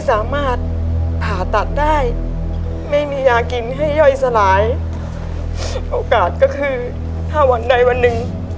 สามารถผ่าตัดได้ไม่มียากินให้ย่อยสลายโอกาสก็คือถ้าวันใดวันหนึ่ง